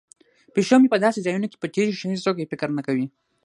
پیشو مې په داسې ځایونو کې پټیږي چې هیڅوک یې فکر نه کوي.